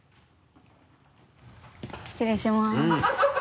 失礼します。